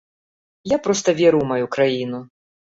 Я проста веру ў маю краіну.